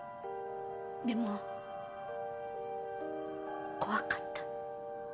でも怖かった。